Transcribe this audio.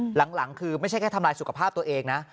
หลังคือไม่ใช่แค่ทำลายสุขภาพตัวเองนะ